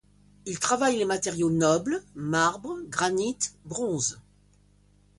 Il travaille les matériaux nobles, marbre, granit, bronze.